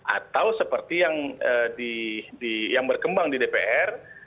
atau seperti yang berkembang di dpr